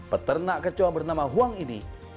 peternak kecoa bernama huang ini